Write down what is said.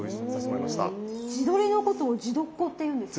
地鶏のことを「地頭鶏」って言うんですね。